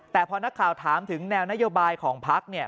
แต่พอนักข่าวถามถึงแนวนโยบายของพักเนี่ย